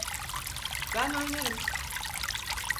Ben oynarım.